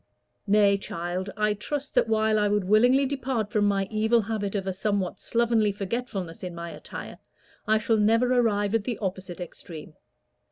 "Nay, child, I trust that while I would willingly depart from my evil habit of a somewhat slovenly forgetfulness in my attire, I shall never arrive at the opposite extreme.